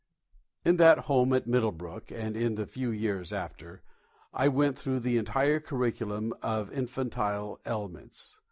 In that home at Middlebrook, and in the few years after, I went through the entire curriculum of infantile ailments.